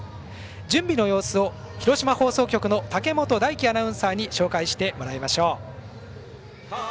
準備の様子を広島放送局の武本大樹アナウンサーに紹介してもらいましょう。